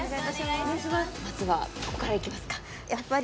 まずはどこからいきますか？